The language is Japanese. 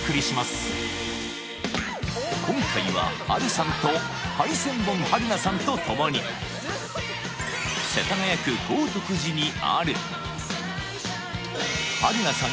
今回は波瑠さんが今回は波瑠さんとハリセンボン春菜さんとともに世田谷区豪徳寺にある春菜さん